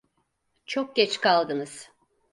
Çok geç kaldınız.